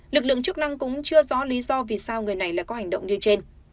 lực lượng chức năng cũng chưa rõ lý do vì sao người này lại có hành động như trên